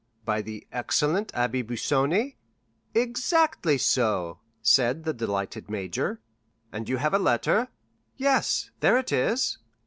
"By the excellent Abbé Busoni?" "Exactly so," said the delighted major. "And you have a letter?" "Yes, there it is."